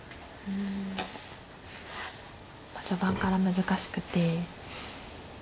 序盤から難しくて。